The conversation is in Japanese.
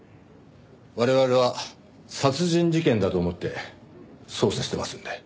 我々は殺人事件だと思って捜査してますんで。